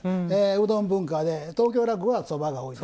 うどん文化で東京落語はそばが多い。